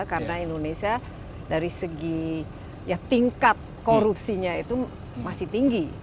karena indonesia dari segi tingkat korupsinya itu masih tinggi